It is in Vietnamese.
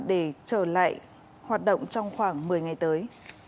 để trở lại hoạt động trong khoảng một mươi ngày tới